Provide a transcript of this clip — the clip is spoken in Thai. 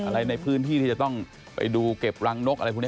ในพื้นที่ที่จะต้องไปดูเก็บรังนกอะไรพวกนี้